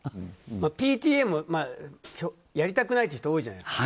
ＰＴＡもやりたくないって人多いじゃないですか。